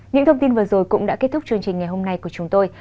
những thông tin vừa rồi cũng đã kết thúc chương trình ngày hôm nay của chúng tôi